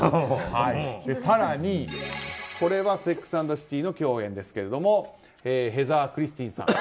更に、これは「セックス・アンド・ザ・シティ」の共演ですけれどもヘザー・クリスティンさん。